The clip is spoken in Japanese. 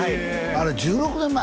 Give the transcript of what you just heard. あれ１６年前？